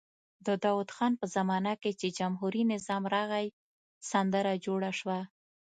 د داود خان په زمانه کې چې جمهوري نظام راغی سندره جوړه شوه.